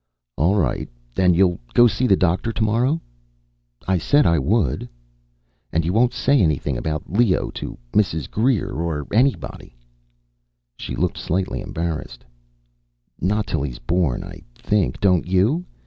"All right. And you'll go see the doctor tomorrow?" "I said I would." "And you won't say anything about Leo to Mrs. Greer or anybody?" She looked slightly embarrassed. "Not till he's born, I think, don't you?